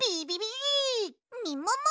みもも